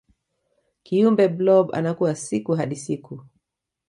kiumbe blob anakua siku hadi siku